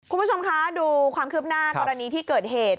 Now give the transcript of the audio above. คุณผู้ชมคะดูความคืบหน้ากรณีที่เกิดเหตุ